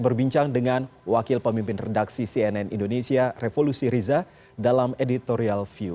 berbincang dengan wakil pemimpin redaksi cnn indonesia revolusi riza dalam editorial view